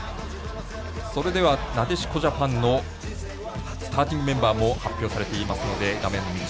それではなでしこジャパンのスターティングメンバーも発表されています。